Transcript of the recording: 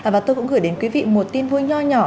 và tôi cũng gửi đến quý vị một tin vui nhỏ nhỏ